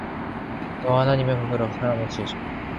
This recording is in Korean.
여호와 하나님이 흙으로 사람을 지으시고